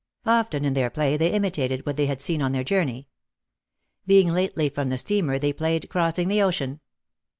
Often in their play they imitated what they had seen on their journey. Being lately from the steamer they played "crossing the ocean."